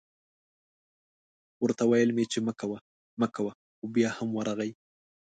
ورته ویل مې چې مه کوه مه کوه خو بیا هم ورغی